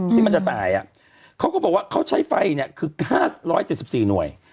เขาก็บอกว่าเขาใช้ไฟคือ๕๗๔หน่วย